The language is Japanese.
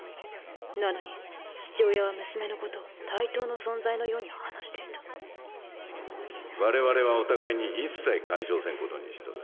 なのに父親は娘のことを対等の存在のように話していた我々はお互いに一切干渉せんことにしとる。